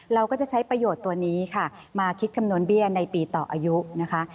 เราก็จะใช้ประโยชน์ตัวนี้ค่ะมาคิดคำนวณเบี้ยในปีต่ออายุนะคะ